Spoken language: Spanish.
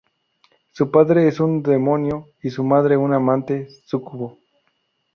Su padre es un demonio y su madre una amante súcubo.